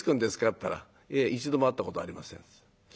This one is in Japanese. ったら「いえ一度も会ったことありません」。